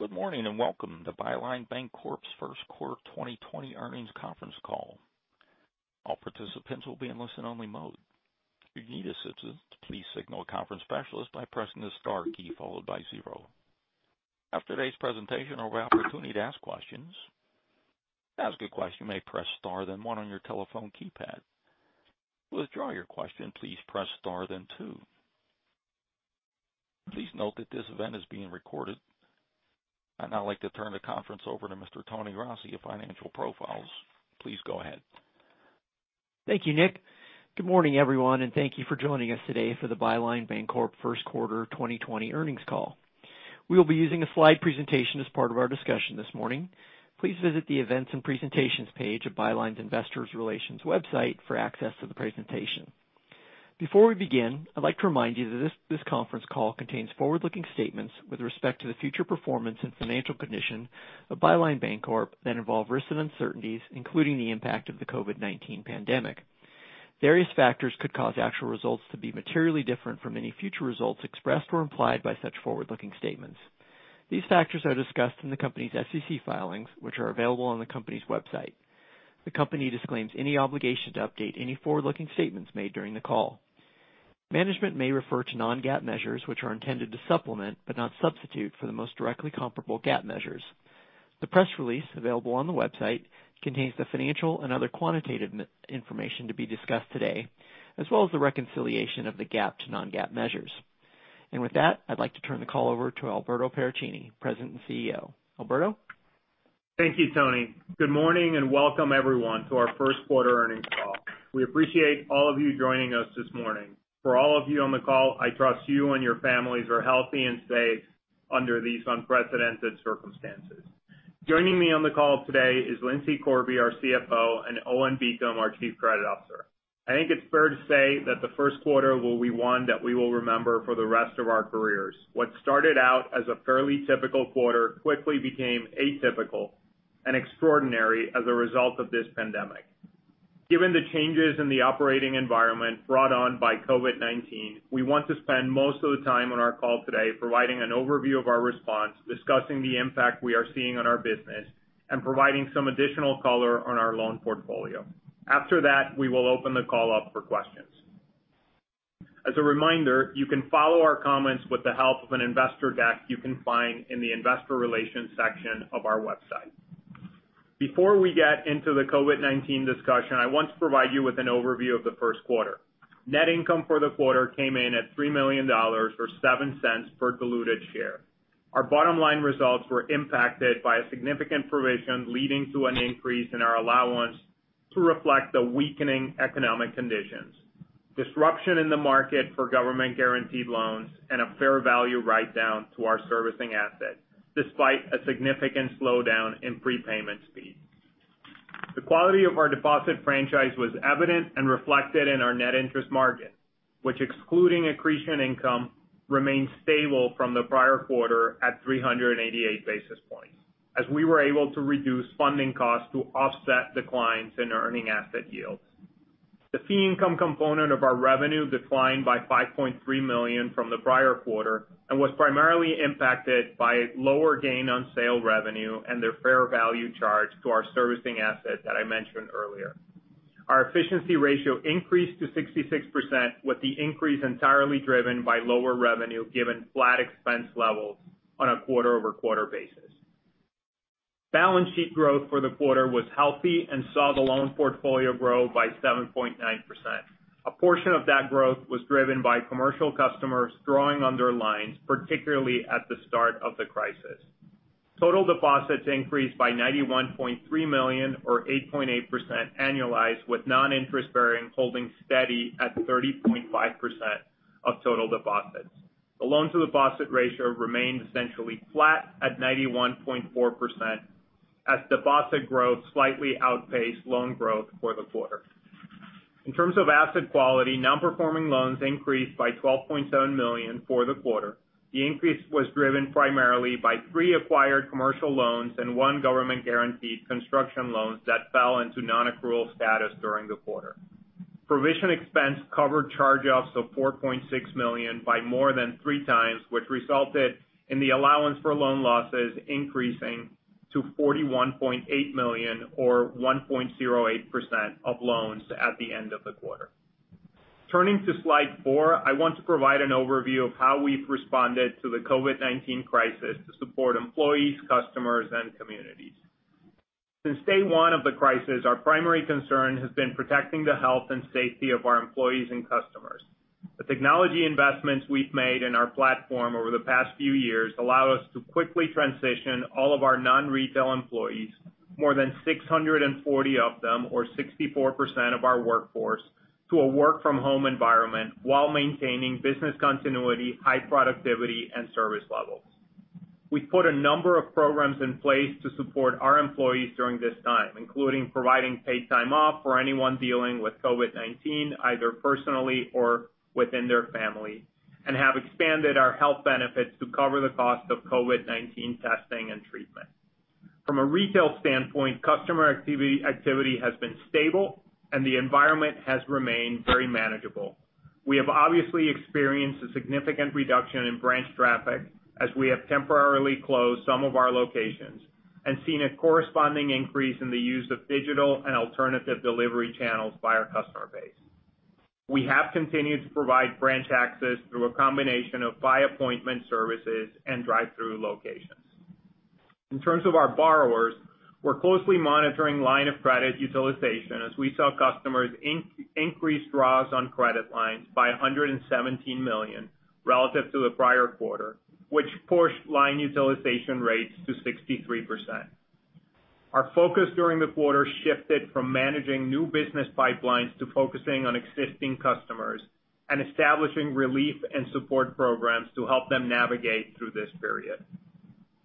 Good morning, and welcome to Byline Bancorp's first quarter 2020 earnings conference call. All participants will be in listen-only mode. If you need assistance, please signal a conference specialist by pressing the star key followed by zero. After today's presentation, there will be an opportunity to ask questions. To ask a question, you may press star, then one on your telephone keypad. To withdraw your question, please press star, then two. Please note that this event is being recorded. I'd now like to turn the conference over to Mr. Tony Rossi of Financial Profiles. Please go ahead. Thank you, Nick. Good morning, everyone, and thank you for joining us today for the Byline Bancorp first quarter 2020 earnings call. We will be using a slide presentation as part of our discussion this morning. Please visit the Events and Presentations page of Byline's investors relations website for access to the presentation. Before we begin, I'd like to remind you that this conference call contains forward-looking statements with respect to the future performance and financial condition of Byline Bancorp that involve risks and uncertainties, including the impact of the COVID-19 pandemic. Various factors could cause actual results to be materially different from any future results expressed or implied by such forward-looking statements. These factors are discussed in the company's SEC filings, which are available on the company's website. The company disclaims any obligation to update any forward-looking statements made during the call. Management may refer to non-GAAP measures, which are intended to supplement, but not substitute for, the most directly comparable GAAP measures. The press release available on the website contains the financial and other quantitative information to be discussed today, as well as the reconciliation of the GAAP to non-GAAP measures. With that, I'd like to turn the call over to Alberto Paracchini, President and CEO. Alberto? Thank you, Tony. Good morning and welcome, everyone, to our first quarter earnings call. We appreciate all of you joining us this morning. For all of you on the call, I trust you and your families are healthy and safe under these unprecedented circumstances. Joining me on the call today is Lindsay Corby, our CFO, and Owen Beacom, our Chief Credit Officer. I think it's fair to say that the first quarter will be one that we will remember for the rest of our careers. What started out as a fairly typical quarter quickly became atypical and extraordinary as a result of this pandemic. Given the changes in the operating environment brought on by COVID-19, we want to spend most of the time on our call today providing an overview of our response, discussing the impact we are seeing on our business, and providing some additional color on our loan portfolio. After that, we will open the call up for questions. As a reminder, you can follow our comments with the help of an investor deck you can find in the Investor Relations section of our website. Before we get into the COVID-19 discussion, I want to provide you with an overview of the first quarter. Net income for the quarter came in at $3 million, or $0.07 per diluted share. Our bottom line results were impacted by a significant provision leading to an increase in our allowance to reflect the weakening economic conditions, disruption in the market for government-guaranteed loans, and a fair value write down to our servicing assets, despite a significant slowdown in prepayment speed. The quality of our deposit franchise was evident and reflected in our net interest margin, which excluding accretion income, remained stable from the prior quarter at 388 basis points, as we were able to reduce funding costs to offset declines in earning asset yields. The fee income component of our revenue declined by $5.3 million from the prior quarter and was primarily impacted by lower gain on sale revenue and the fair value charge to our servicing asset that I mentioned earlier. Our efficiency ratio increased to 66%, with the increase entirely driven by lower revenue given flat expense levels on a quarter-over-quarter basis. Balance sheet growth for the quarter was healthy and saw the loan portfolio grow by 7.9%. A portion of that growth was driven by commercial customers drawing on their lines, particularly at the start of the crisis. Total deposits increased by $91.3 million, or 8.8% annualized, with non-interest-bearing holding steady at 30.5% of total deposits. The loans to deposit ratio remained essentially flat at 91.4%, as deposit growth slightly outpaced loan growth for the quarter. In terms of asset quality, Non-performing loans increased by $12.7 million for the quarter. The increase was driven primarily by three acquired commercial loans and one government-guaranteed construction loan that fell into non-accrual status during the quarter. Provision expense covered charge-offs of $4.6 million by more than three times, which resulted in the allowance for loan losses increasing to $41.8 million or 1.08% of loans at the end of the quarter. Turning to slide four, I want to provide an overview of how we've responded to the COVID-19 crisis to support employees, customers, and communities. Since day one of the crisis, our primary concern has been protecting the health and safety of our employees and customers. The technology investments we've made in our platform over the past few years allow us to quickly transition all of our non-retail employees, more than 640 of them or 64% of our workforce, to a work from home environment while maintaining business continuity, high productivity, and service levels. We've put a number of programs in place to support our employees during this time, including providing paid time off for anyone dealing with COVID-19, either personally or within their family, and have expanded our health benefits to cover the cost of COVID-19 testing and treatment. From a retail standpoint, customer activity has been stable and the environment has remained very manageable. We have obviously experienced a significant reduction in branch traffic as we have temporarily closed some of our locations and seen a corresponding increase in the use of digital and alternative delivery channels by our customer base. We have continued to provide branch access through a combination of by-appointment services and drive-thru locations. In terms of our borrowers, we're closely monitoring line of credit utilization as we saw customers increase draws on credit lines by $117 million relative to the prior quarter, which pushed line utilization rates to 63%. Our focus during the quarter shifted from managing new business pipelines to focusing on existing customers and establishing relief and support programs to help them navigate through this period.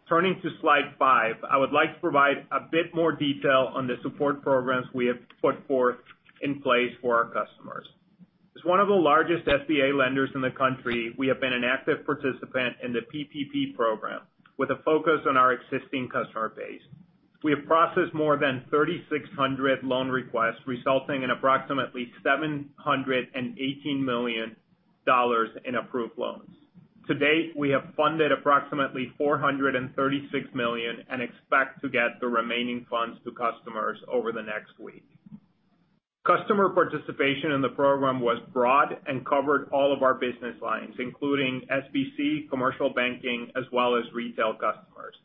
Turning to slide five, I would like to provide a bit more detail on the support programs we have put forth in place for our customers. As one of the largest SBA lenders in the country, we have been an active participant in the PPP program with a focus on our existing customer base. We have processed more than 3,600 loan requests, resulting in approximately $718 million in approved loans. To date, we have funded approximately $436 million and expect to get the remaining funds to customers over the next week. Customer participation in the program was broad and covered all of our business lines, including SBC, commercial banking, as well as retail customers.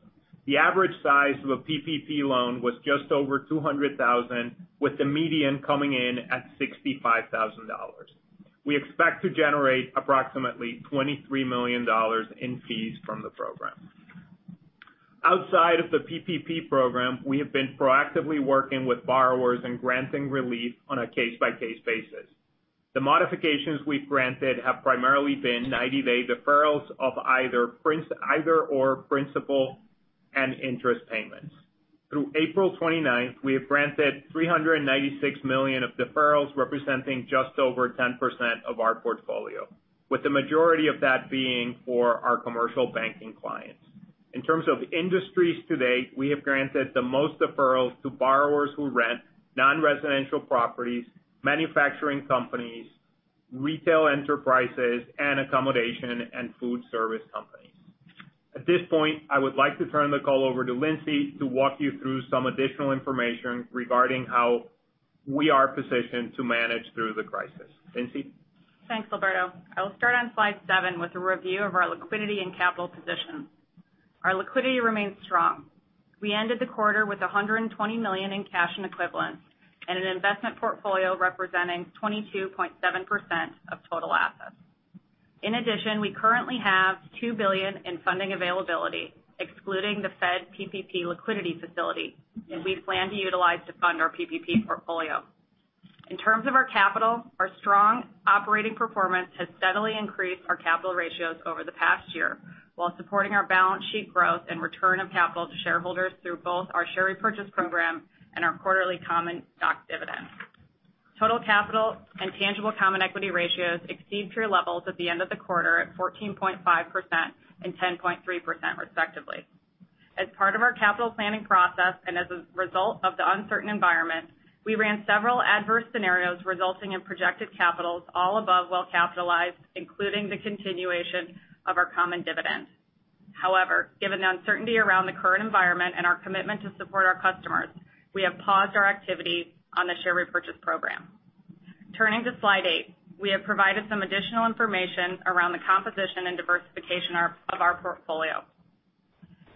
The average size of a PPP loan was just over $200,000, with the median coming in at $65,000. We expect to generate approximately $23 million in fees from the program. Outside of the PPP program, we have been proactively working with borrowers and granting relief on a case-by-case basis. The modifications we've granted have primarily been 90-day deferrals of either/or principal and interest payments. Through April 29th, we have granted $396 million of deferrals, representing just over 10% of our portfolio, with the majority of that being for our commercial banking clients. In terms of industries to date, we have granted the most deferrals to borrowers who rent non-residential properties, manufacturing companies, retail enterprises, and accommodation and food service companies. At this point, I would like to turn the call over to Lindsay to walk you through some additional information regarding how we are positioned to manage through the crisis. Lindsay? Thanks, Alberto. I'll start on slide seven with a review of our liquidity and capital position. Our liquidity remains strong. We ended the quarter with $120 million in cash equivalents and an investment portfolio representing 22.7% of total assets. In addition, we currently have $2 billion in funding availability, excluding the Fed PPP liquidity facility that we plan to utilize to fund our PPP portfolio. In terms of our capital, our strong operating performance has steadily increased our capital ratios over the past year while supporting our balance sheet growth and return of capital to shareholders through both our share repurchase program and our quarterly common stock dividend. Total capital and tangible common equity ratios exceed peer levels at the end of the quarter at 14.5% and 10.3%, respectively. As part of our capital planning process and as a result of the uncertain environment, we ran several adverse scenarios resulting in projected capitals all above well-capitalized, including the continuation of our common dividend. However, given the uncertainty around the current environment and our commitment to support our customers, we have paused our activity on the share repurchase program. Turning to slide eight, we have provided some additional information around the composition and diversification of our portfolio.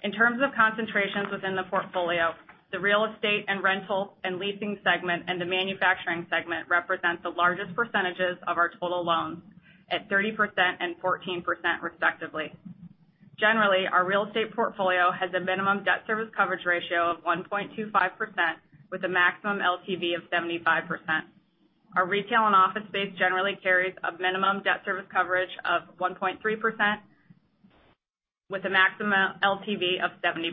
In terms of concentrations within the portfolio, the real estate and rental and leasing segment and the manufacturing segment represent the largest percentages of our total loans at 30% and 14%, respectively. Generally, our real estate portfolio has a minimum debt service coverage ratio of 1.25% with a maximum LTV of 75%. Our retail and office space generally carries a minimum debt service coverage of 1.3% with a maximum LTV of 70%.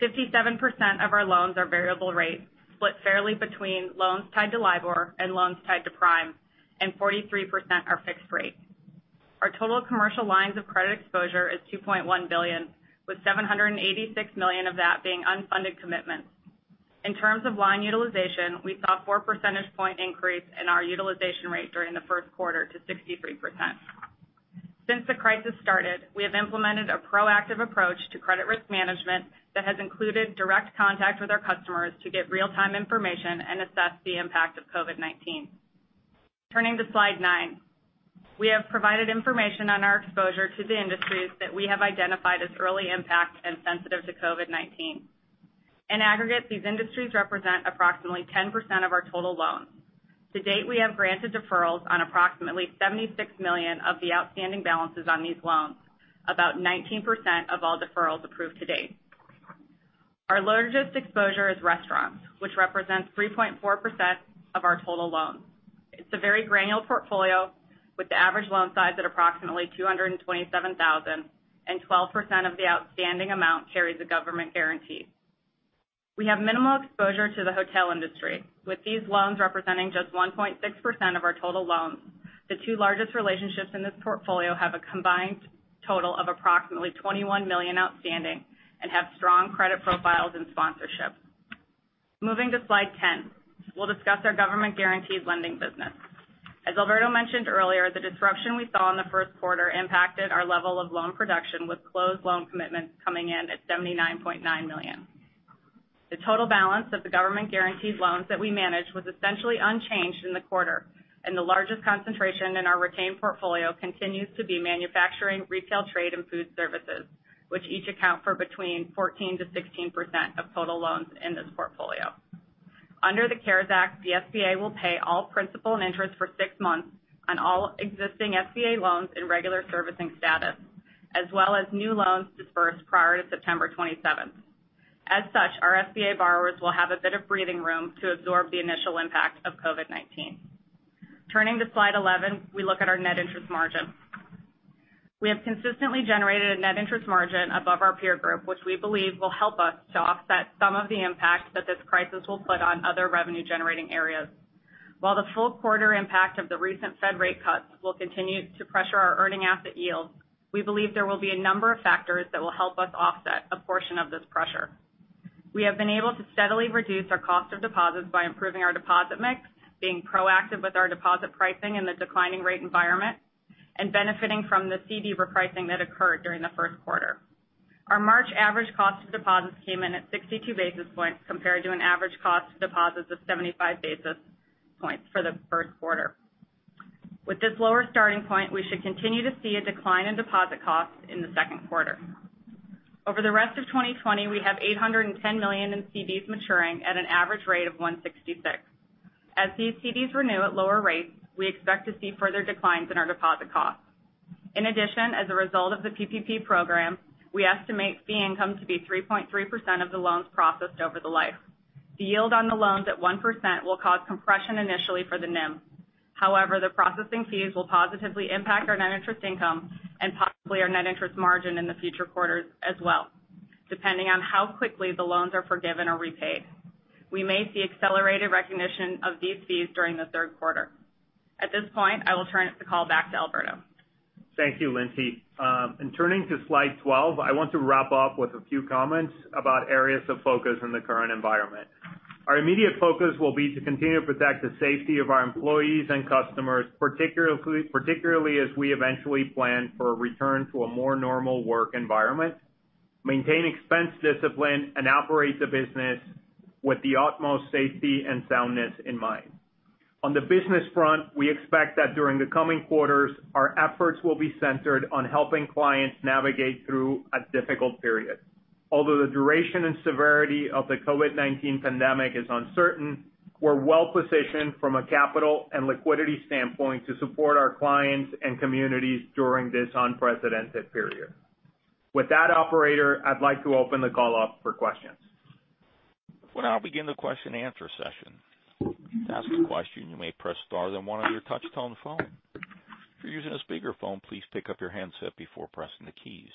57% of our loans are variable rate, split fairly between loans tied to LIBOR and loans tied to Prime, and 43% are fixed rate. Our total commercial lines of credit exposure is $2.1 billion, with $786 million of that being unfunded commitments. In terms of line utilization, we saw a four percentage point increase in our utilization rate during the first quarter to 63%. Since the crisis started, we have implemented a proactive approach to credit risk management that has included direct contact with our customers to get real-time information and assess the impact of COVID-19. Turning to slide nine. We have provided information on our exposure to the industries that we have identified as early impact and sensitive to COVID-19. In aggregate, these industries represent approximately 10% of our total loans. To date, we have granted deferrals on approximately $76 million of the outstanding balances on these loans. About 19% of all deferrals approved to date. Our largest exposure is restaurants, which represents 3.4% of our total loans. It's a very granular portfolio with the average loan size at approximately $227,000 and 12% of the outstanding amount carries a government guarantee. We have minimal exposure to the hotel industry, with these loans representing just 1.6% of our total loans. The two largest relationships in this portfolio have a combined total of approximately $21 million outstanding and have strong credit profiles and sponsorship. Moving to slide 10, we'll discuss our government guaranteed lending business. As Alberto mentioned earlier, the disruption we saw in the first quarter impacted our level of loan production with closed loan commitments coming in at $79.9 million. The total balance of the government guaranteed loans that we manage was essentially unchanged in the quarter, and the largest concentration in our retained portfolio continues to be manufacturing, retail trade, and food services, which each account for between 14%-16% of total loans in this portfolio. Under the CARES Act, the SBA will pay all principal and interest for six months on all existing SBA loans in regular servicing status, as well as new loans disbursed prior to September 27th. As such, our SBA borrowers will have a bit of breathing room to absorb the initial impact of COVID-19. Turning to slide 11, we look at our net interest margin. We have consistently generated a net interest margin above our peer group, which we believe will help us to offset some of the impact that this crisis will put on other revenue-generating areas. While the full quarter impact of the recent Fed rate cuts will continue to pressure our earning asset yields, we believe there will be a number of factors that will help us offset a portion of this pressure. We have been able to steadily reduce our cost of deposits by improving our deposit mix, being proactive with our deposit pricing in the declining rate environment, and benefiting from the CD repricing that occurred during the first quarter. Our March average cost of deposits came in at 62 basis points compared to an average cost of deposits of 75 basis points for the first quarter. With this lower starting point, we should continue to see a decline in deposit costs in the second quarter. Over the rest of 2020, we have $810 million in CDs maturing at an average rate of 166. As these CDs renew at lower rates, we expect to see further declines in our deposit costs. In addition, as a result of the PPP Program, we estimate fee income to be 3.3% of the loans processed over the life. The yield on the loans at 1% will cause compression initially for the NIM. However, the processing fees will positively impact our net interest income and possibly our net interest margin in the future quarters as well, depending on how quickly the loans are forgiven or repaid. We may see accelerated recognition of these fees during the third quarter. At this point, I will turn the call back to Alberto. Thank you, Lindsay. In turning to slide 12, I want to wrap up with a few comments about areas of focus in the current environment. Our immediate focus will be to continue to protect the safety of our employees and customers, particularly as we eventually plan for a return to a more normal work environment, maintain expense discipline, and operate the business with the utmost safety and soundness in mind. On the business front, we expect that during the coming quarters, our efforts will be centered on helping clients navigate through a difficult period. Although the duration and severity of the COVID-19 pandemic is uncertain, we're well-positioned from a capital and liquidity standpoint to support our clients and communities during this unprecedented period. With that, operator, I'd like to open the call up for questions. We'll now begin the question and answer session. To ask a question, you may press star then one on your touchtone phone. If you're using a speakerphone, please pick up your handset before pressing the keys.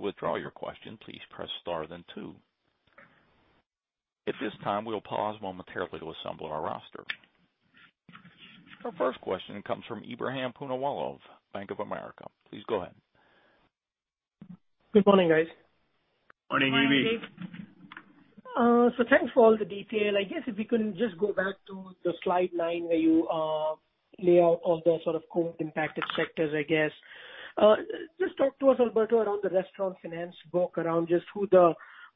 To withdraw your question, please press star then two. At this time, we will pause momentarily to assemble our roster. Our first question comes from Ebrahim Poonawala of Bank of America. Please go ahead. Good morning, guys. Morning, E.P. Morning. Thanks for all the detail. If we can just go back to the slide nine where you lay out all the sort of COVID impacted sectors. Just talk to us, Alberto, around the restaurant finance book around just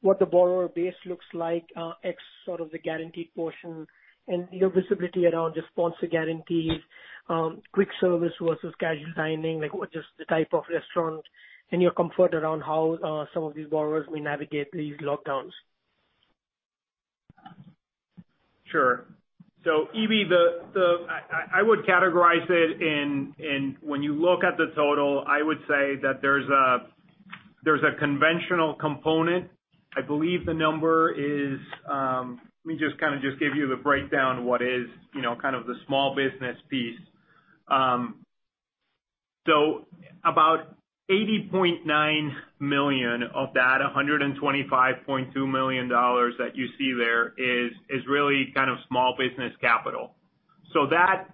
what the borrower base looks like ex the guaranteed portion and your visibility around the sponsor guarantees, quick service versus casual dining, like just the type of restaurant and your comfort around how some of these borrowers may navigate these lockdowns? Sure. E.P., I would categorize it in when you look at the total, I would say that there's a conventional component. Let me just give you the breakdown what is the small business piece. About $80.9 million of that $125.2 million that you see there is really kind of Small Business Capital. That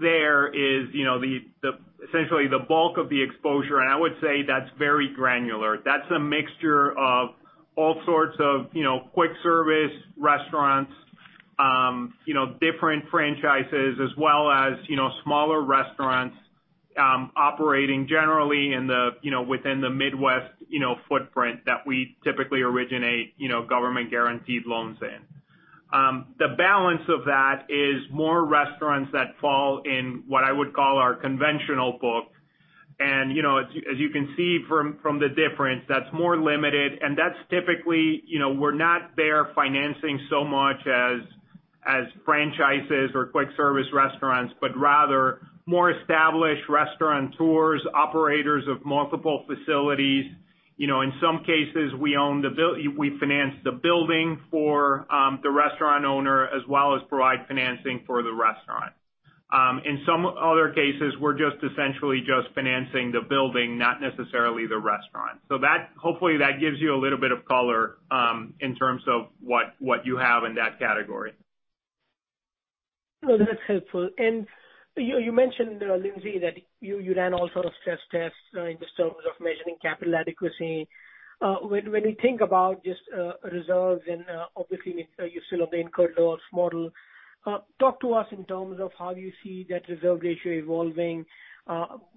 there is essentially the bulk of the exposure, and I would say that's very granular. That's a mixture of all sorts of quick service restaurants, different franchises as well as smaller restaurants operating generally within the Midwest footprint that we typically originate government guaranteed loans in. The balance of that is more restaurants that fall in what I would call our conventional book. As you can see from the difference, that's more limited and that's typically we're not there financing so much as franchises or quick service restaurants, but rather more established restaurateurs, operators of multiple facilities. In some cases, we finance the building for the restaurant owner as well as provide financing for the restaurant. In some other cases, we're just essentially just financing the building, not necessarily the restaurant. Hopefully that gives you a little bit of color in terms of what you have in that category. No, that's helpful. You mentioned, Lindsay, that you ran all sorts of stress tests in just terms of measuring capital adequacy. When we think about just reserves and obviously you still have the incurred loss model. Talk to us in terms of how you see that reserve ratio evolving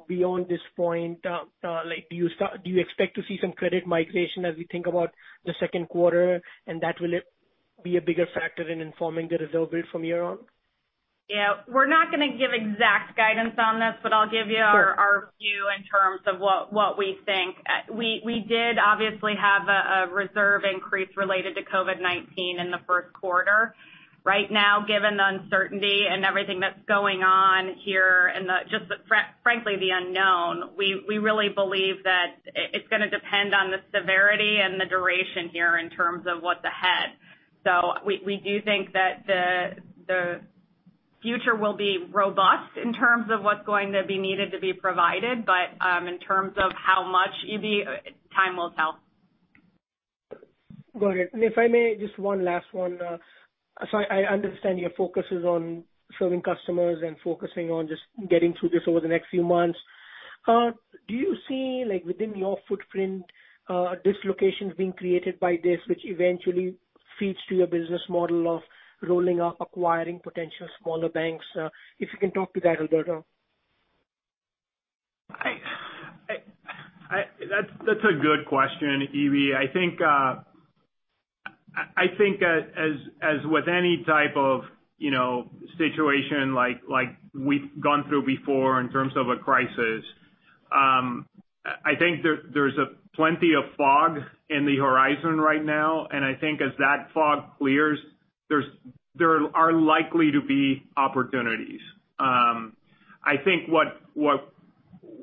beyond this point. Do you expect to see some credit migration as we think about the second quarter, and that will be a bigger factor in informing the reserve build from here on? Yeah. We're not going to give exact guidance on this- Sure I'll give you our view in terms of what we think. We did obviously have a reserve increase related to COVID-19 in the first quarter. Right now, given the uncertainty and everything that's going on here and just frankly, the unknown, we really believe that it's going to depend on the severity and the duration here in terms of what's ahead. We do think that the future will be robust in terms of what's going to be needed to be provided. In terms of how much, E.P, time will tell. Got it. If I may, just one last one. I understand your focus is on serving customers and focusing on just getting through this over the next few months. Do you see within your footprint, dislocations being created by this, which eventually feeds to your business model of rolling up, acquiring potential smaller banks? If you can talk to that, Alberto? That's a good question, E.P. I think as with any type of situation like we've gone through before in terms of a crisis, I think there's plenty of fog in the horizon right now, and I think as that fog clears, there are likely to be opportunities. I think what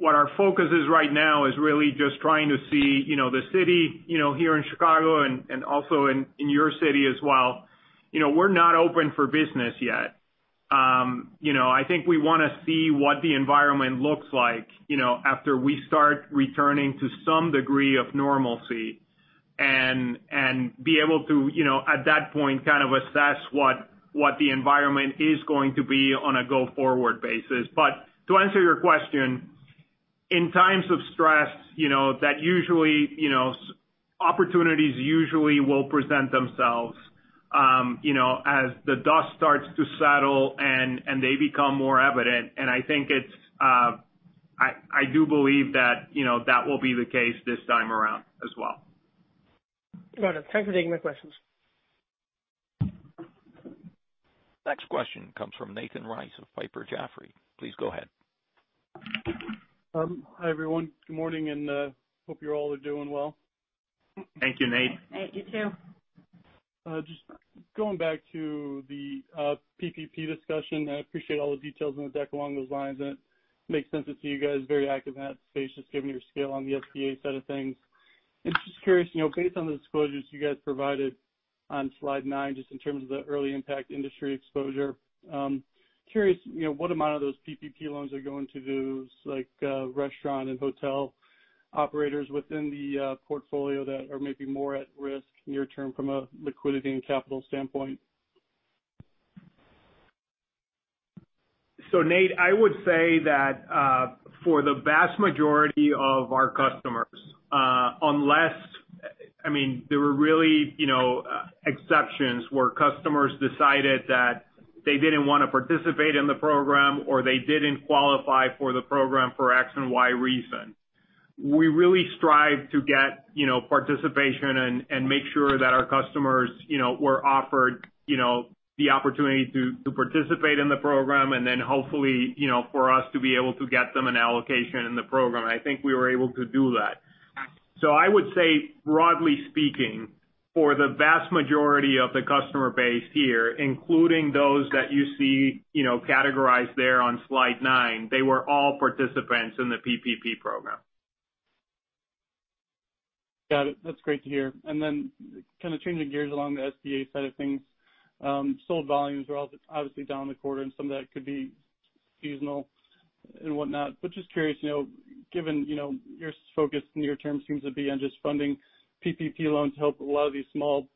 our focus is right now is really just trying to see the city here in Chicago and also in your city as well. We're not open for business yet. I think we want to see what the environment looks like after we start returning to some degree of normalcy and be able to, at that point, kind of assess what the environment is going to be on a go-forward basis. To answer your question, in times of stress, opportunities usually will present themselves as the dust starts to settle and they become more evident. I do believe that will be the case this time around as well. Got it. Thank you for taking my questions. Next question comes from Nathan Race of Piper Sandler. Please go ahead. Hi, everyone. Good morning, and hope you all are doing well. Thank you, Nate. You too. Just going back to the PPP discussion. I appreciate all the details in the deck along those lines, and it makes sense to see you guys very active in that space, just given your scale on the SBA side of things. Just curious, based on the disclosures you guys provided on slide nine, just in terms of the early impact industry exposure. Curious, what amount of those PPP loans are going to those restaurant and hotel operators within the portfolio that are maybe more at risk near term from a liquidity and capital standpoint? Nate, I would say that for the vast majority of our customers. There were really exceptions where customers decided that they didn't want to participate in the program, or they didn't qualify for the program for X and Y reason. We really strive to get participation and make sure that our customers were offered the opportunity to participate in the program and then hopefully for us to be able to get them an allocation in the program. I think we were able to do that. I would say broadly speaking, for the vast majority of the customer base here, including those that you see categorized there on slide nine, they were all participants in the PPP program. Got it. That's great to hear. Kind of changing gears along the SBA side of things. Sold volumes are obviously down in the quarter, and some of that could be seasonal and whatnot. Just curious, given your focus near term seems to be on just funding PPP loans to help a lot of these small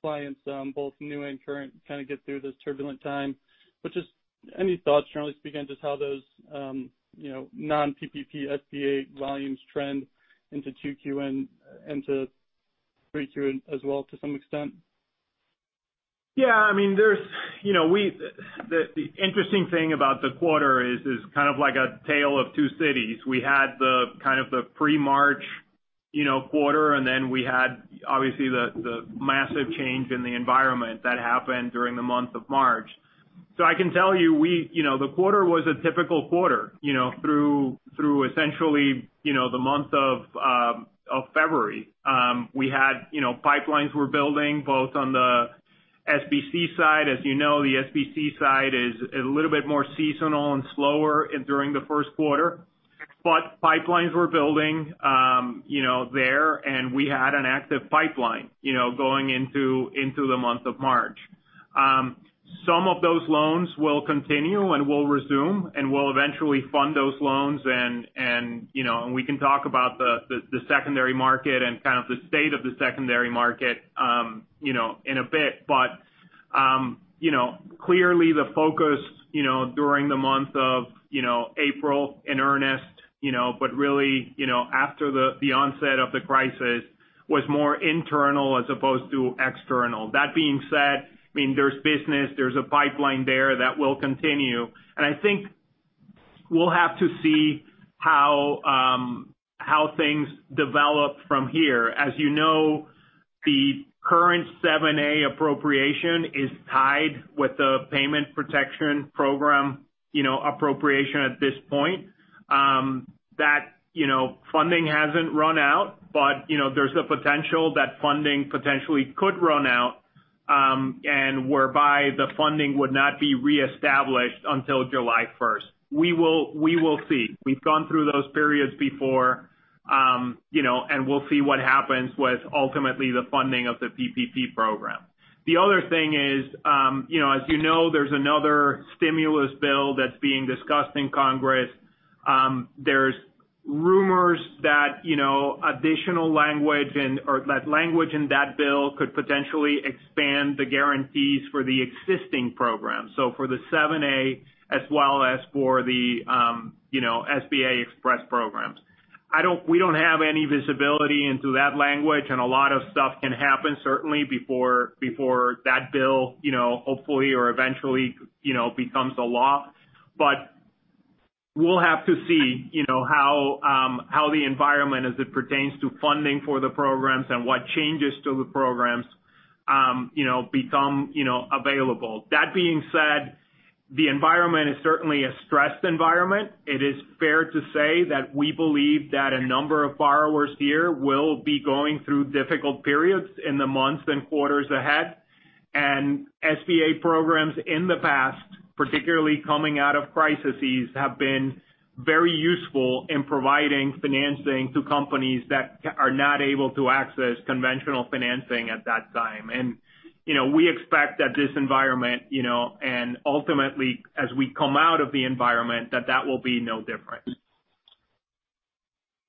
clients both new and current, kind of get through this turbulent time. Just any thoughts generally speaking, on just how those non-PPP SBA volumes trend into 2Q and into 3Q as well to some extent? Yeah. The interesting thing about the quarter is kind of like a tale of two cities. We had the kind of the pre-March quarter, and then we had obviously the massive change in the environment that happened during the month of March. I can tell you, the quarter was a typical quarter through essentially the month of February. Pipelines were building both on the SBC side. As you know, the SBC side is a little bit more seasonal and slower during the first quarter. Pipelines were building there, and we had an active pipeline going into the month of March. Some of those loans will continue and we'll resume, and we'll eventually fund those loans, and we can talk about the secondary market and kind of the state of the secondary market in a bit. Clearly the focus during the month of April in earnest, but really after the onset of the crisis was more internal as opposed to external. That being said, there's business, there's a pipeline there that will continue, and I think we'll have to see how things develop from here. As you know, the current 7A appropriation is tied with the Paycheck Protection Program appropriation at this point. That funding hasn't run out, but there's a potential that funding potentially could run out, and whereby the funding would not be reestablished until July 1st. We will see. We've gone through those periods before, and we'll see what happens with ultimately the funding of the PPP program. The other thing is as you know, there's another stimulus bill that's being discussed in Congress. There's rumors that additional language in that bill could potentially expand the guarantees for the existing program. For the 7A as well as for the SBA Express programs. We don't have any visibility into that language, and a lot of stuff can happen certainly before that bill hopefully or eventually becomes a law. We'll have to see how the environment as it pertains to funding for the programs and what changes to the programs become available. That being said, the environment is certainly a stressed environment. It is fair to say that we believe that a number of borrowers here will be going through difficult periods in the months and quarters ahead. SBA programs in the past, particularly coming out of crises, have been very useful in providing financing to companies that are not able to access conventional financing at that time. We expect that this environment, and ultimately as we come out of the environment, that that will be no different.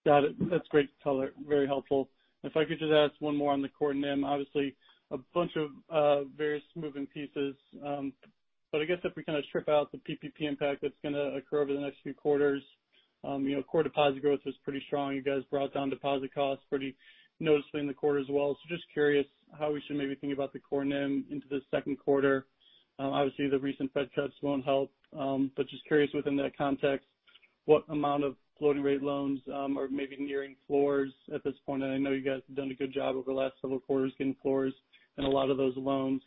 Got it. That's great color. Very helpful. If I could just ask one more on the core NIM. Obviously a bunch of various moving pieces. I guess if we kind of strip out the PPP impact that's going to occur over the next few quarters, core deposit growth was pretty strong. You guys brought down deposit costs pretty noticeably in the quarter as well. Just curious how we should maybe think about the core NIM into the second quarter. Obviously the recent Fed cuts won't help. Just curious within that context, what amount of floating rate loans are maybe nearing floors at this point? I know you guys have done a good job over the last several quarters getting floors in a lot of those loans.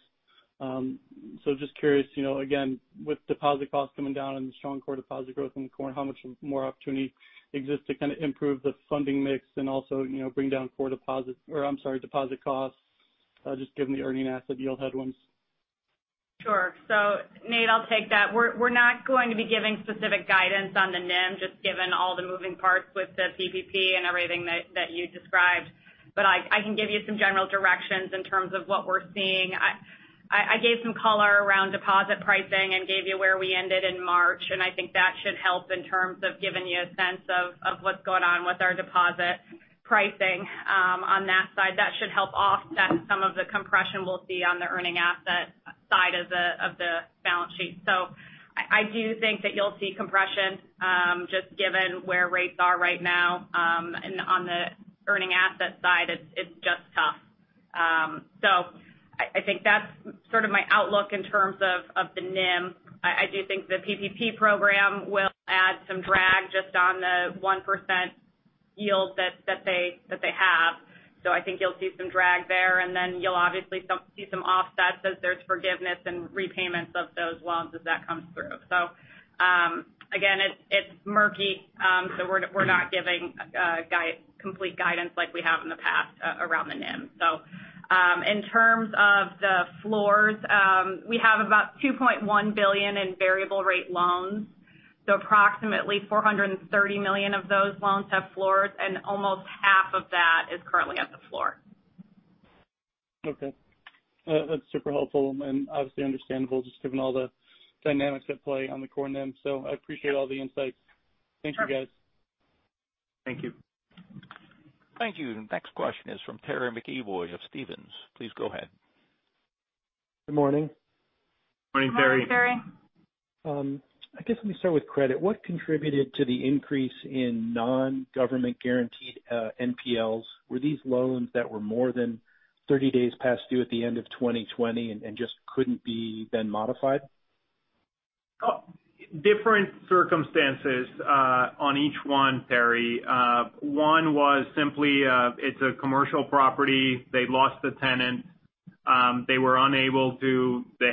Just curious, again, with deposit costs coming down and the strong core deposit growth in the quarter, how much more opportunity exists to kind of improve the funding mix and also bring down deposit costs just given the earning asset yield headwinds? Sure. Nate, I'll take that. We're not going to be giving specific guidance on the NIM, just given all the moving parts with the PPP and everything that you described. I can give you some general directions in terms of what we're seeing. I gave some color around deposit pricing and gave you where we ended in March, and I think that should help in terms of giving you a sense of what's going on with our deposit pricing on that side. That should help offset some of the compression we'll see on the earning asset side of the balance sheet. I do think that you'll see compression just given where rates are right now. On the earning asset side, it's just tough. I think that's sort of my outlook in terms of the NIM. I do think the PPP program will add some drag just on the 1% yield that they have. I think you'll see some drag there, and then you'll obviously see some offsets as there's forgiveness and repayments of those loans as that comes through. Again, it's murky, so we're not giving complete guidance like we have in the past around the NIM. In terms of the floors, we have about $2.1 billion in variable rate loans. Approximately $430 million of those loans have floors, and almost half of that is currently at the floor. Okay. That's super helpful and obviously understandable just given all the dynamics at play on the core NIM. I appreciate all the insights. Thank you, guys. Thank you. Thank you. Next question is from Terry McEvoy of Stephens. Please go ahead. Good morning. Morning, Terry. Morning, Terry. I guess let me start with credit. What contributed to the increase in non-government guaranteed NPLs? Were these loans that were more than 30 days past due at the end of 2020 and just couldn't be then modified? Different circumstances on each one, Terry. One was simply it's a commercial property. They lost the tenant. They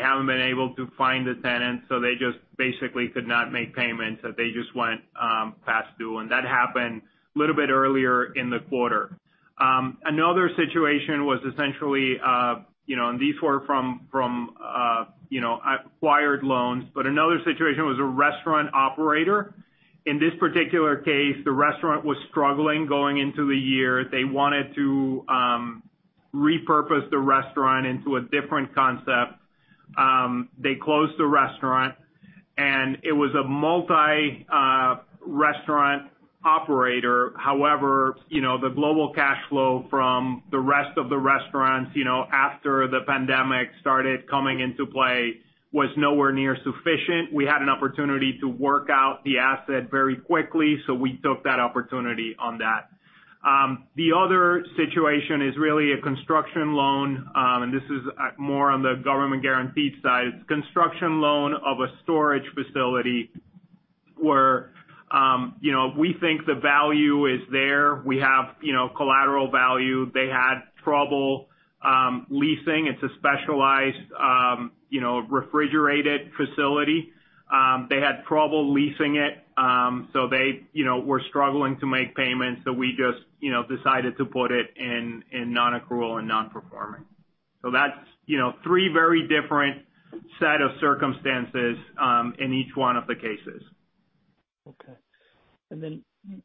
haven't been able to find a tenant. They just basically could not make payments. They just went past due. That happened a little bit earlier in the quarter. Another situation was essentially. These were from acquired loans. Another situation was a restaurant operator. In this particular case, the restaurant was struggling going into the year. They wanted to repurpose the restaurant into a different concept. They closed the restaurant. It was a multi-restaurant operator. However, the global cash flow from the rest of the restaurants after the pandemic started coming into play was nowhere near sufficient. We had an opportunity to work out the asset very quickly. We took that opportunity on that. The other situation is really a construction loan, and this is more on the government guaranteed side. It's construction loan of a storage facility where we think the value is there. We have collateral value. They had trouble leasing. It's a specialized refrigerated facility. They had trouble leasing it. They were struggling to make payments, so we just decided to put it in non-accrual and non-performing. That's three very different set of circumstances in each one of the cases. Okay.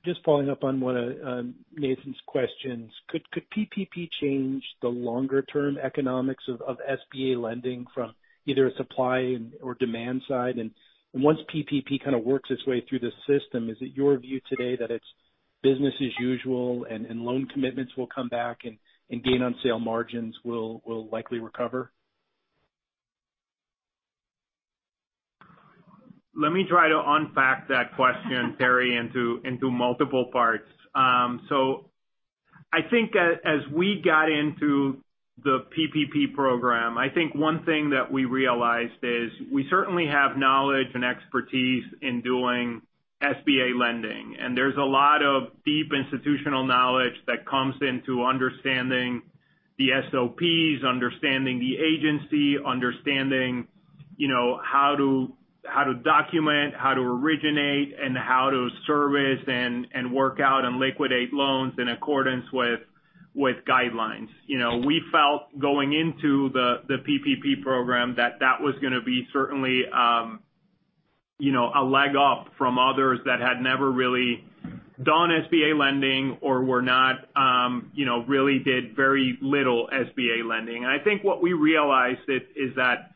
Just following up on one of Nathan's questions, could PPP change the longer-term economics of SBA lending from either a supply or demand side? Once PPP kind of works its way through the system, is it your view today that it's business as usual and loan commitments will come back and gain on sale margins will likely recover? Let me try to unpack that question, Terry, into multiple parts. I think as we got into the PPP Program, I think one thing that we realized is we certainly have knowledge and expertise in doing SBA lending, and there's a lot of deep institutional knowledge that comes into understanding the SOPs, understanding the agency, understanding how to document, how to originate, and how to service and work out and liquidate loans in accordance with guidelines. We felt going into the PPP Program that that was going to be certainly a leg up from others that had never really done SBA lending or really did very little SBA lending. I think what we realized is that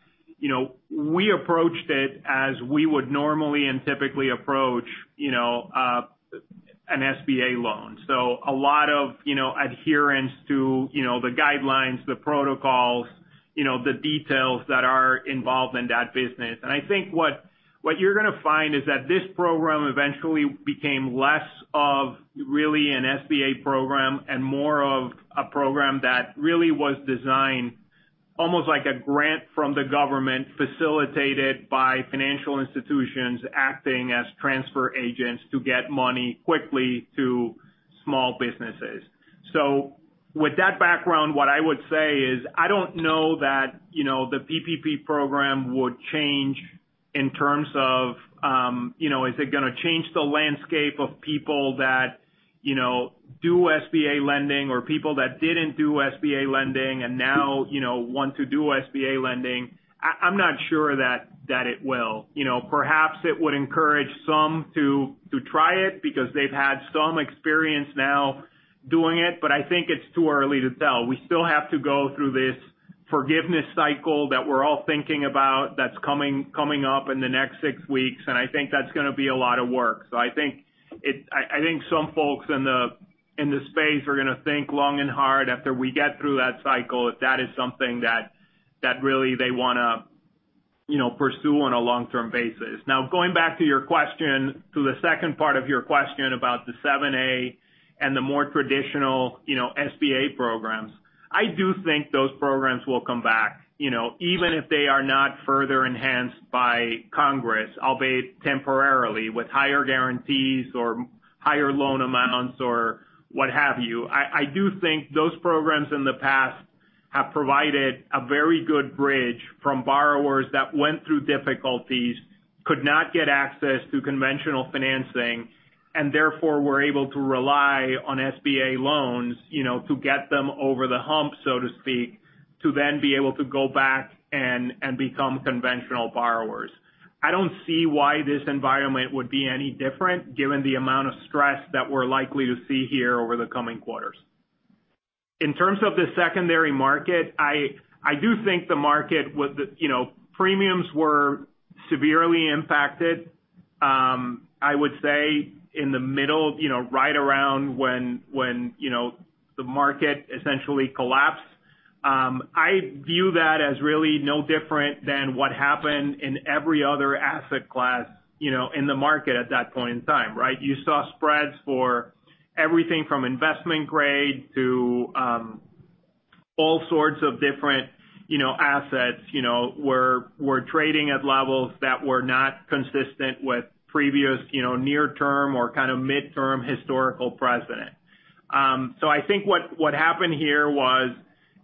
we approached it as we would normally and typically approach an SBA loan. A lot of adherence to the guidelines, the protocols, the details that are involved in that business. I think what you're going to find is that this program eventually became less of really an SBA program and more of a program that really was designed almost like a grant from the government, facilitated by financial institutions acting as transfer agents to get money quickly to small businesses. With that background, what I would say is, I don't know that the PPP program would change in terms of is it going to change the landscape of people that do SBA lending or people that didn't do SBA lending and now want to do SBA lending? I'm not sure that it will. Perhaps it would encourage some to try it because they've had some experience now doing it, but I think it's too early to tell. We still have to go through this forgiveness cycle that we're all thinking about that's coming up in the next six weeks, and I think that's going to be a lot of work. I think some folks in the space are going to think long and hard after we get through that cycle, if that is something that really they want to pursue on a long-term basis. Now, going back to the second part of your question about the 7A and the more traditional SBA programs, I do think those programs will come back, even if they are not further enhanced by Congress, albeit temporarily, with higher guarantees or higher loan amounts or what have you. I do think those programs in the past have provided a very good bridge from borrowers that went through difficulties, could not get access to conventional financing, and therefore, were able to rely on SBA loans to get them over the hump, so to speak, to then be able to go back and become conventional borrowers. I don't see why this environment would be any different given the amount of stress that we're likely to see here over the coming quarters. In terms of the secondary market, I do think the market with premiums were severely impacted. I would say in the middle, right around when the market essentially collapsed. I view that as really no different than what happened in every other asset class in the market at that point in time, right. You saw spreads for everything from investment grade to all sorts of different assets were trading at levels that were not consistent with previous near term or kind of midterm historical precedent. I think what happened here was.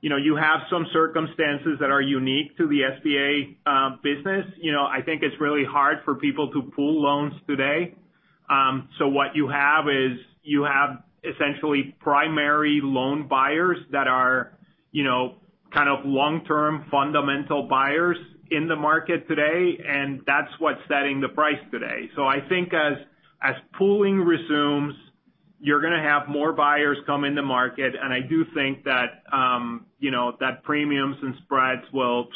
You have some circumstances that are unique to the SBA business. I think it's really hard for people to pool loans today. What you have is you have essentially primary loan buyers that are kind of long-term fundamental buyers in the market today, and that's what's setting the price today. I think as pooling resumes, you're going to have more buyers come in the market, and I do think that premiums and spreads will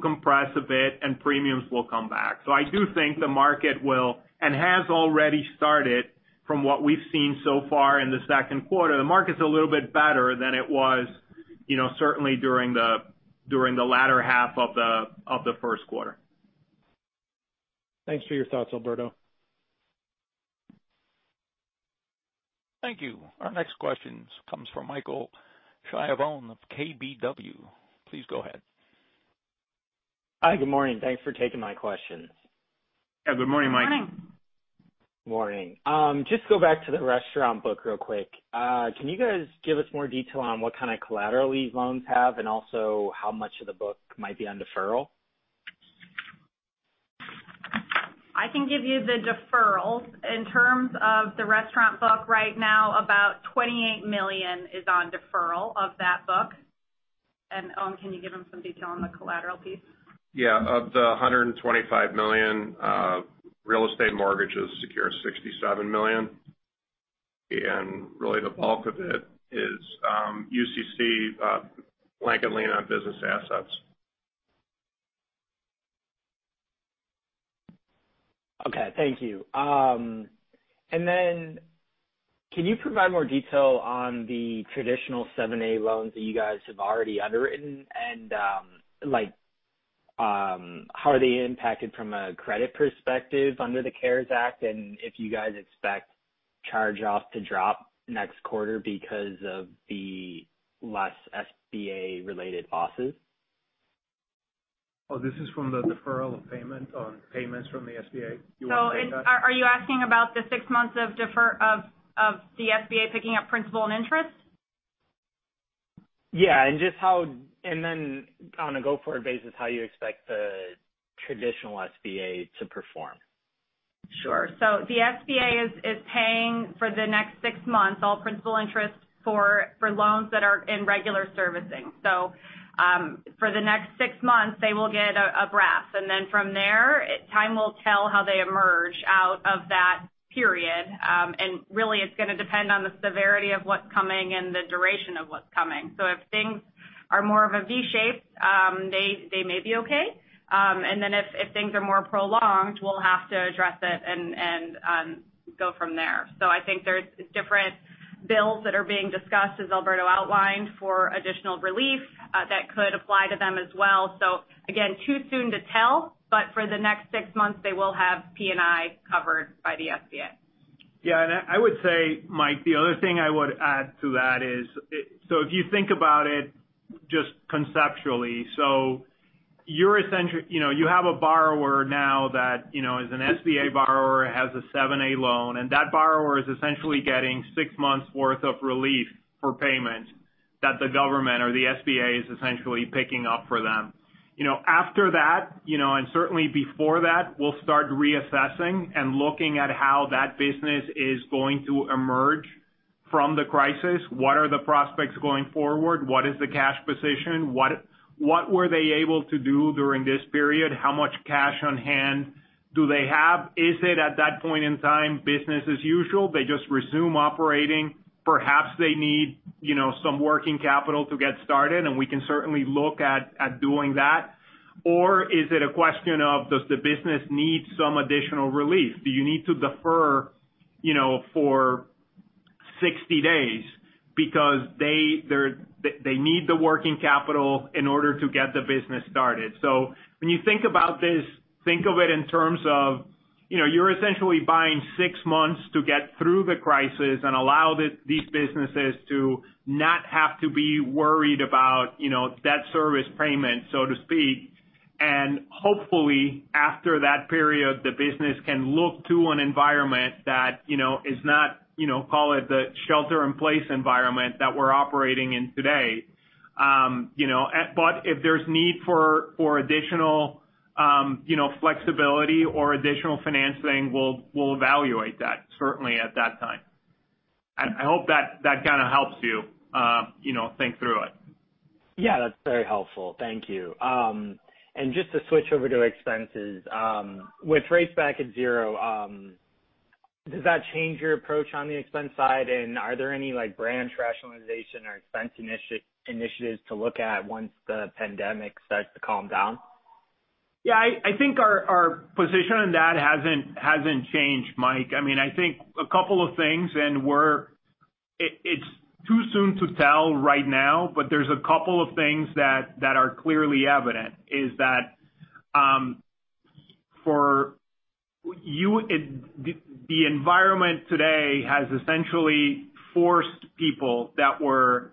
compress a bit and premiums will come back. I do think the market will, and has already started from what we've seen so far in the second quarter. The market's a little bit better than it was certainly during the latter half of the first quarter. Thanks for your thoughts, Alberto. Thank you. Our next question comes from Michael Schiavone of KBW. Please go ahead. Hi. Good morning. Thanks for taking my questions. Yeah. Good morning, Mike. Good morning. Morning. Just go back to the restaurant book real quick. Can you guys give us more detail on what kind of collateral these loans have, and also how much of the book might be on deferral? I can give you the deferrals. In terms of the restaurant book right now, about $28 million is on deferral of that book. Owen, can you give him some detail on the collateral piece? Yeah. Of the $125 million, real estate mortgage has secured $67 million. Really the bulk of it is UCC blanket lien on business assets. Okay. Thank you. Can you provide more detail on the traditional 7A loans that you guys have already underwritten, and how are they impacted from a credit perspective under the CARES Act, and if you guys expect charge-offs to drop next quarter because of the less SBA-related losses? Oh, this is from the deferral of payment on payments from the SBA? You want to take that? Are you asking about the six months of the SBA picking up principal and interest? Yeah. On a go-forward basis, how you expect the traditional SBA to perform? Sure. The SBA is paying for the next six months all principal interest for loans that are in regular servicing. For the next six months, they will get a breath, and then from there, time will tell how they emerge out of that period. Really it's going to depend on the severity of what's coming and the duration of what's coming. If things are more of a V shape, they may be okay. If things are more prolonged, we'll have to address it and go from there. I think there's different bills that are being discussed, as Alberto outlined, for additional relief that could apply to them as well. Again, too soon to tell, but for the next six months, they will have P&I covered by the SBA. I would say, Mike, the other thing I would add to that is if you think about it just conceptually. You have a borrower now that is an SBA borrower, has a 7A loan, and that borrower is essentially getting six months worth of relief for payment that the government or the SBA is essentially picking up for them. After that, and certainly before that, we'll start reassessing and looking at how that business is going to emerge from the crisis. What are the prospects going forward? What is the cash position? What were they able to do during this period? How much cash on hand do they have? Is it at that point in time, business as usual? They just resume operating. Perhaps they need some working capital to get started, and we can certainly look at doing that. Is it a question of does the business need some additional relief? Do you need to defer for 60 days because they need the working capital in order to get the business started. When you think about this, think of it in terms of you're essentially buying six months to get through the crisis and allow these businesses to not have to be worried about debt service payment, so to speak. Hopefully, after that period, the business can look to an environment that is not call it the shelter in place environment that we're operating in today. If there's need for additional flexibility or additional financing, we'll evaluate that certainly at that time. I hope that kind of helps you think through it. Yeah, that's very helpful. Thank you. Just to switch over to expenses. With rates back at zero, does that change your approach on the expense side? Are there any branch rationalization or expense initiatives to look at once the pandemic starts to calm down? Yeah, I think our position on that hasn't changed, Mike. I think a couple of things, and it's too soon to tell right now, but there's a couple of things that are clearly evident is that the environment today has essentially forced people that were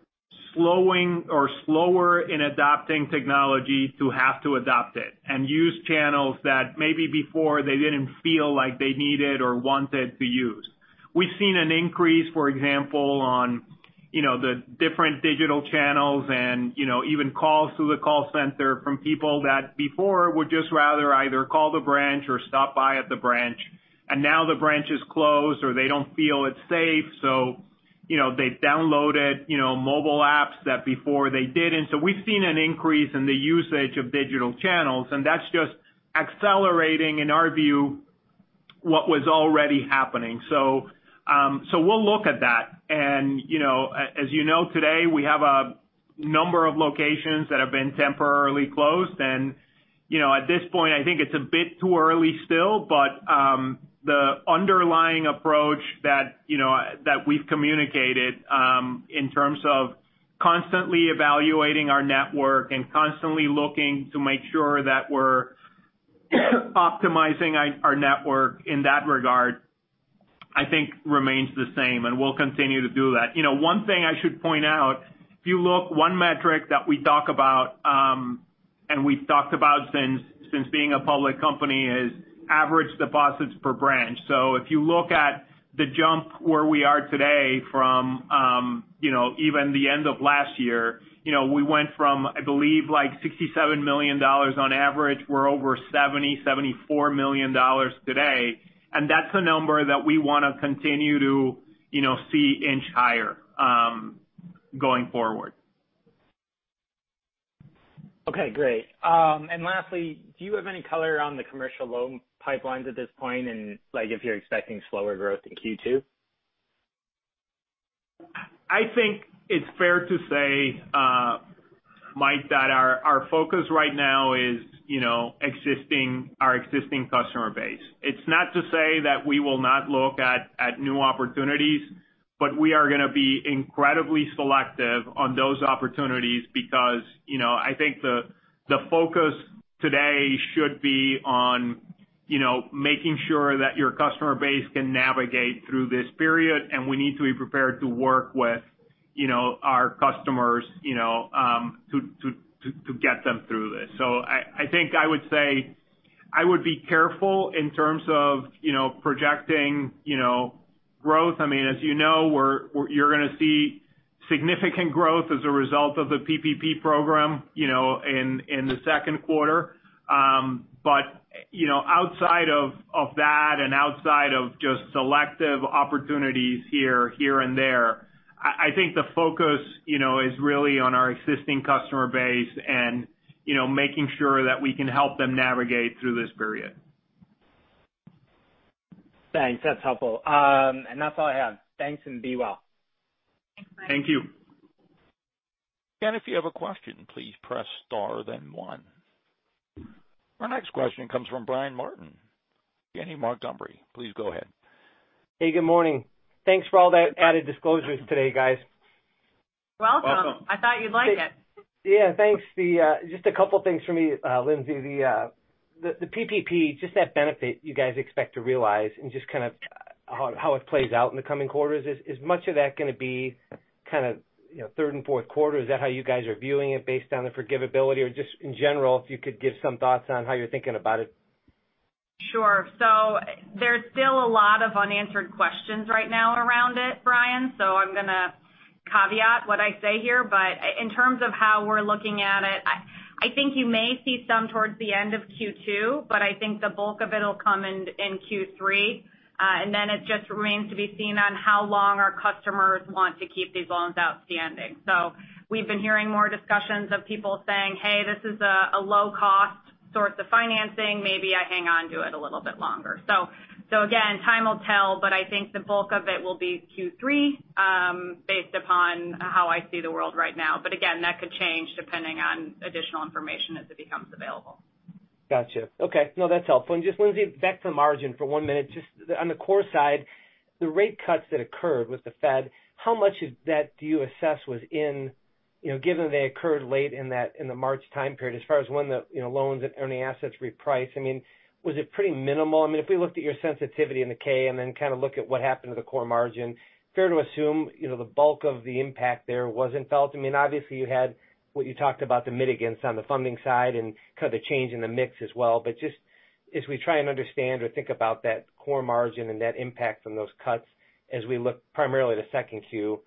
slowing or slower in adopting technology to have to adopt it and use channels that maybe before they didn't feel like they needed or wanted to use. We've seen an increase, for example, on the different digital channels and even calls to the call center from people that before would just rather either call the branch or stop by at the branch. Now the branch is closed, or they don't feel it's safe, so they downloaded mobile apps that before they didn't. We've seen an increase in the usage of digital channels, and that's just accelerating, in our view, what was already happening. We'll look at that. As you know, today, we have a number of locations that have been temporarily closed. At this point, I think it's a bit too early still, but the underlying approach that we've communicated in terms of constantly evaluating our network and constantly looking to make sure that we're optimizing our network in that regard, I think remains the same, and we'll continue to do that. One thing I should point out, if you look one metric that we talk about, and we've talked about since being a public company, is average deposits per branch. If you look at the jump where we are today from even the end of last year, we went from, I believe, $67 million on average. We're over $70 million, $74 million today, and that's a number that we want to continue to see inch higher going forward. Okay, great. Lastly, do you have any color on the commercial loan pipelines at this point and if you're expecting slower growth in Q2? I think it's fair to say, Mike, that our focus right now is our existing customer base. It's not to say that we will not look at new opportunities, but we are going to be incredibly selective on those opportunities because I think the focus today should be on making sure that your customer base can navigate through this period. We need to be prepared to work with our customers to get them through this. I think I would say I would be careful in terms of projecting growth. As you know, you're going to see significant growth as a result of the PPP Program in the second quarter. Outside of that and outside of just selective opportunities here and there, I think the focus is really on our existing customer base and making sure that we can help them navigate through this period. Thanks. That's helpful. That's all I have. Thanks and be well. Thank you. Again, if you have a question, please press star then one. Our next question comes from Brian Martin. Janney Montgomery, please go ahead. Hey, good morning. Thanks for all the added disclosures today, guys. Welcome. Welcome. I thought you'd like it. Yeah, thanks. Just a couple of things for me, Lindsay. The PPP, just that benefit you guys expect to realize and just how it plays out in the coming quarters. Is much of that going to be third and fourth quarter? Is that how you guys are viewing it based on the forgivability? Just in general, if you could give some thoughts on how you're thinking about it. Sure. There's still a lot of unanswered questions right now around it, Brian, so I'm going to caveat what I say here. In terms of how we're looking at it, I think you may see some towards the end of Q2, but I think the bulk of it'll come in Q3. It just remains to be seen on how long our customers want to keep these loans outstanding. We've been hearing more discussions of people saying, "Hey, this is a low-cost source of financing. Maybe I hang on to it a little bit longer." Again, time will tell, but I think the bulk of it will be Q3 based upon how I see the world right now. Again, that could change depending on additional information as it becomes available. Got you. Okay. No, that's helpful. Just Lindsay, back to margin for one minute. Just on the core side, the rate cuts that occurred with the Fed, how much of that do you assess was in, given they occurred late in the March time period, as far as when the loans and earning assets reprice? Was it pretty minimal? If we looked at your sensitivity in the K and then look at what happened to the core margin, fair to assume the bulk of the impact there wasn't felt? Obviously, you had what you talked about, the mitigants on the funding side and the change in the mix as well. Just as we try and understand or think about that core margin and net impact from those cuts as we look primarily to second Q,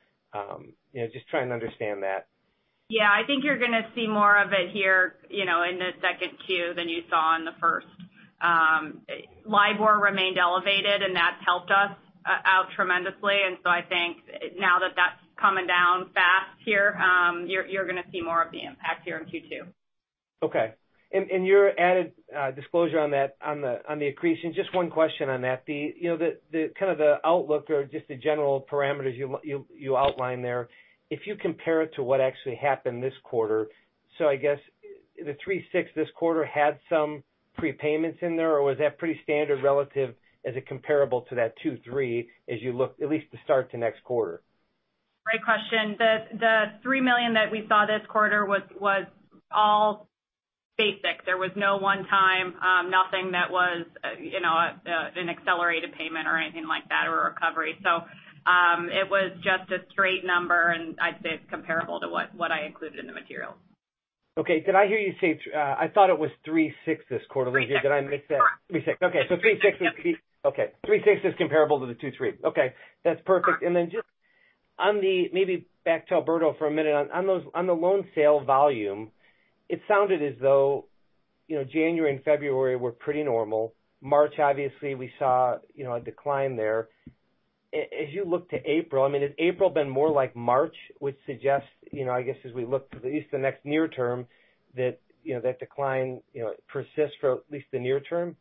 just trying to understand that. Yeah, I think you're going to see more of it here in the second Q than you saw in the first. LIBOR remained elevated, and that's helped us out tremendously. I think now that that's coming down fast here, you're going to see more of the impact here in Q2. Okay. In your added disclosure on the accretion, just one question on that. The outlook or just the general parameters you outline there, if you compare it to what actually happened this quarter, I guess the three six this quarter had some prepayments in there, or was that pretty standard relative as a comparable to that two three as you look at least the start to next quarter? Great question. The $3 million that we saw this quarter was all basic. There was no one-time nothing that was an accelerated payment or anything like that, or a recovery. It was just a straight number, and I'd say it's comparable to what I included in the materials. Okay. Did I hear you say I thought it was three sixes quarterly here. Did I miss that? Three six. Okay, three sixes. Okay. Three six is comparable to the two three. Okay, that's perfect. Just maybe back to Alberto for a minute. On the loan sale volume, it sounded as though January and February were pretty normal. March, obviously, we saw a decline there. As you look to April, has April been more like March, which suggests, I guess as we look to at least the next near term, that decline persists for at least the near term?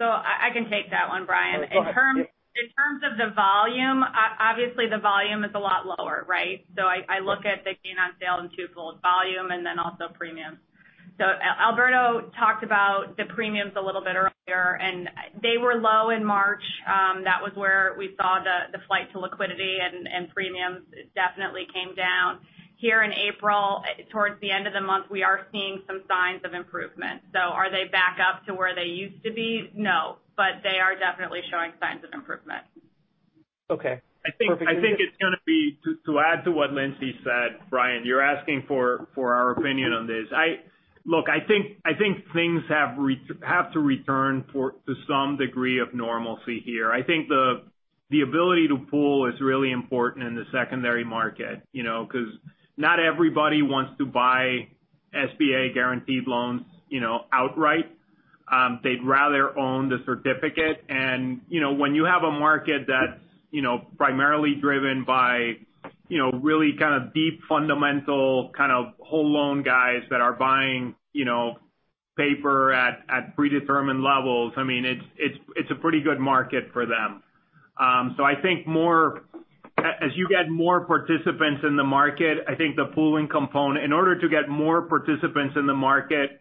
I can take that one, Brian. Oh, go ahead. In terms of the volume, obviously the volume is a lot lower, right? I look at the gain on sale and twofold volume and then also premiums. Alberto talked about the premiums a little bit earlier, and they were low in March. That was where we saw the flight to liquidity and premiums definitely came down. Here in April, towards the end of the month, we are seeing some signs of improvement. Are they back up to where they used to be? No, they are definitely showing signs of improvement. Okay. Perfect. I think it's going to be, to add to what Lindsay said, Brian, you're asking for our opinion on this. Look, I think things have to return to some degree of normalcy here. I think the ability to pool is really important in the secondary market because not everybody wants to buy SBA guaranteed loans outright. They'd rather own the certificate. When you have a market that's primarily driven by really kind of deep, fundamental kind of whole loan guys that are buying paper at predetermined levels, it's a pretty good market for them. I think as you get more participants in the market, I think the pooling component, in order to get more participants in the market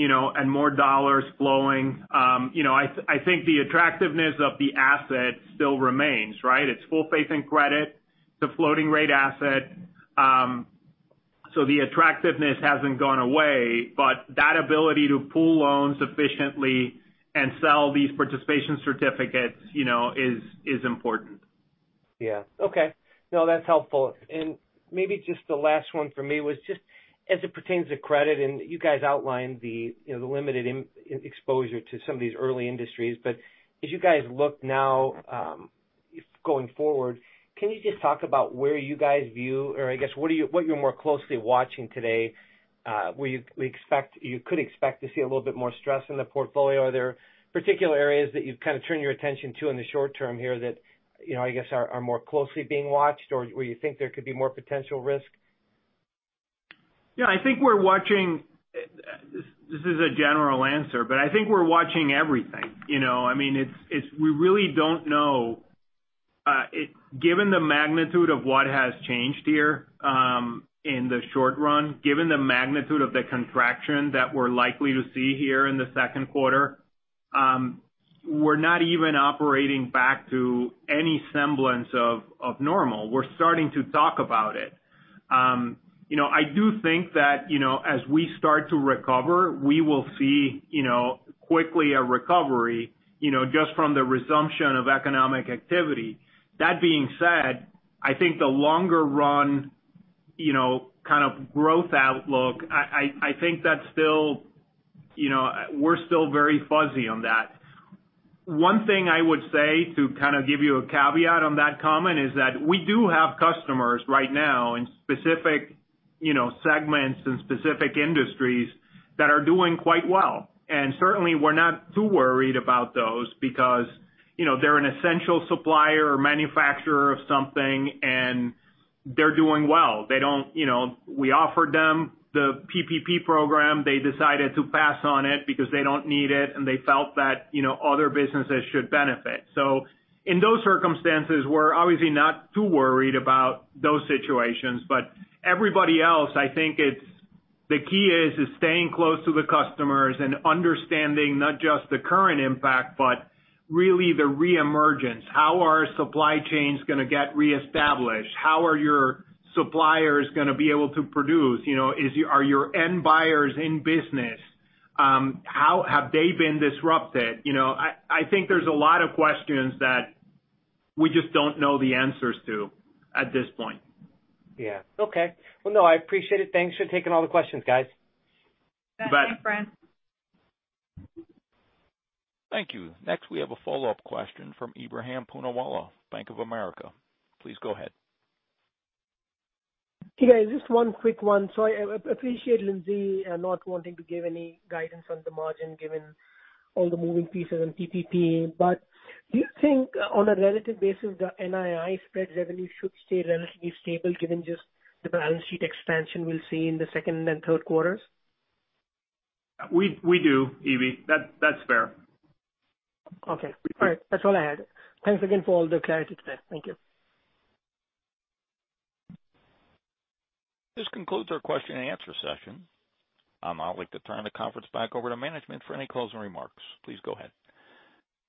and more dollars flowing, I think the attractiveness of the asset still remains, right? It's full faith and credit. It's a floating rate asset. The attractiveness hasn't gone away. That ability to pool loans efficiently and sell these participation certificates is important. Yeah. Okay. No, that's helpful. Maybe just the last one for me was just as it pertains to credit, and you guys outlined the limited exposure to some of these early industries. As you guys look now going forward, can you just talk about where you guys view or I guess what you're more closely watching today? Where you could expect to see a little bit more stress in the portfolio? Are there particular areas that you've kind of turned your attention to in the short term here that, I guess, are more closely being watched or where you think there could be more potential risk? Yeah, this is a general answer. I think we're watching everything. We really don't know. Given the magnitude of what has changed here in the short run, given the magnitude of the contraction that we're likely to see here in the second quarter, we're not even operating back to any semblance of normal. We're starting to talk about it. I do think that as we start to recover, we will see quickly a recovery just from the resumption of economic activity. That being said, I think the longer run kind of growth outlook, I think that we're still very fuzzy on that. One thing I would say to kind of give you a caveat on that comment is that we do have customers right now in specific segments and specific industries that are doing quite well. Certainly we're not too worried about those because they're an essential supplier or manufacturer of something and they're doing well. We offered them the PPP program. They decided to pass on it because they don't need it, and they felt that other businesses should benefit. In those circumstances, we're obviously not too worried about those situations. Everybody else, I think the key is staying close to the customers and understanding not just the current impact, but really the reemergence. How are supply chains going to get reestablished? How are your suppliers going to be able to produce? Are your end buyers in business? Have they been disrupted? I think there's a lot of questions that we just don't know the answers to at this point. Yeah. Okay. Well, no, I appreciate it. Thanks for taking all the questions, guys. Thanks. You bet. Thank you. Next we have a follow-up question from Ebrahim Poonawala, Bank of America. Please go ahead. Hey, guys, just one quick one. I appreciate Lindsay not wanting to give any guidance on the margin given all the moving pieces on PPP, but do you think on a relative basis, the NII spread revenue should stay relatively stable given just the balance sheet expansion we'll see in the second and third quarters? We do, E.P. That's fair. Okay. All right, that's all I had. Thanks again for all the clarity today. Thank you. This concludes our question and answer session. I'd like to turn the conference back over to management for any closing remarks. Please go ahead.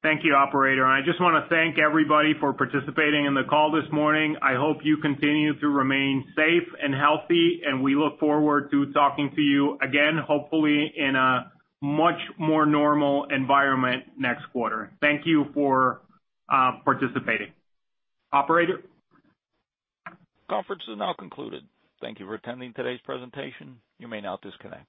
Thank you, operator. I just want to thank everybody for participating in the call this morning. I hope you continue to remain safe and healthy, and we look forward to talking to you again, hopefully in a much more normal environment next quarter. Thank you for participating. Operator? Conference is now concluded. Thank you for attending today's presentation. You may now disconnect.